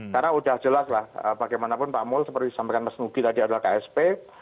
karena udah jelas lah bagaimanapun pak muldo seperti disampaikan mas nugi tadi adalah ksp